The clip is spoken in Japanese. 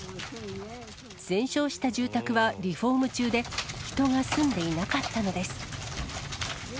全焼した住宅はリフォーム中で、人が住んでいなかったのです。